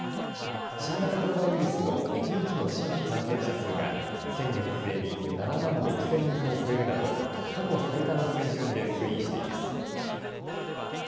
新型コロナウイルスの１日の新規感染者数が先月末に７万６０００人を超えるなど、過去最多の水準で推移しています。